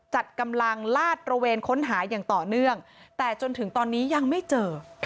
จัดกำลังลาดตระเวนค้นหาอย่างต่อเนื่องแต่จนถึงตอนนี้ยังไม่เจอ